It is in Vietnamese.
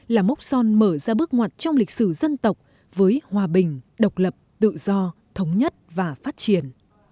là mốc son mở ra bước ngoặt trong lịch sử dân tộc với hòa bình độc lập tự do thống nhất và phát triển